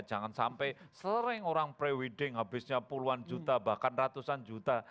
jangan sampai sering orang pre wedding habisnya puluhan juta bahkan ratusan juta